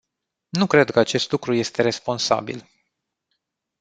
Nu cred că acest lucru este responsabil.